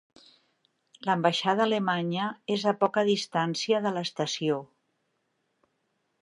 L'ambaixada alemanya és a poca distància de l'estació.